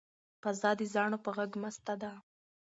فضا د زاڼو په غږ مسته ده.